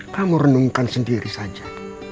kamu renungkan sendiri saja